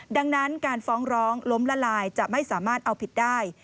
ดังนั้นการฟ้องร้องล้มละลายจะไม่สามารถเอาผิดได้